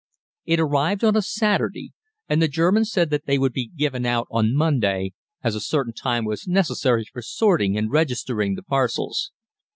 It arrived on a Saturday, and the Germans said that they would be given out on Monday, as a certain time was necessary for sorting and registering the parcels.